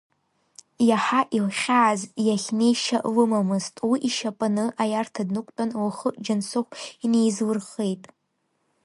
Иаҳа илхьааз иахь неишьа лымамызт, уи ишьапаны аиарҭа днықәтәан, лхы Џьансыхә инеизлырхеит.